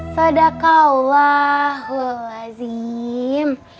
saadaka allah wa'alaikum